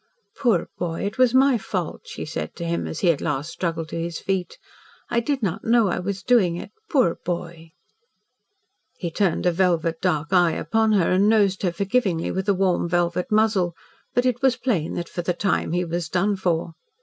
"Poor boy, it was my fault," she said to him as he at last struggled to his feet. "I did not know I was doing it. Poor boy!" He turned a velvet dark eye upon her, and nosed her forgivingly with a warm velvet muzzle, but it was plain that, for the time, he was done for.